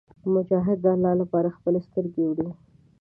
مجاهد د الله لپاره خپلې سترګې وړي.